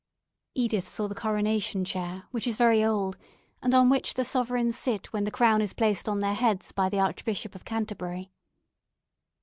Edith saw the coronation chair, which is very old, and on which the sovereigns sit when the crown is placed on their heads by the Archbishop of Canterbury.